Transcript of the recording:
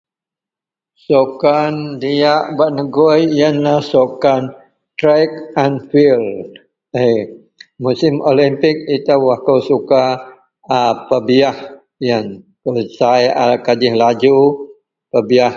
Sukan diyak bak negoi iyenlah sukan track and field eh musim olimpik ito akou suka a pebiyah iyen sai a kajih laju pebiyah.